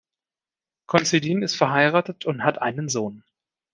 Considine ist verheiratet und hat einen Sohn.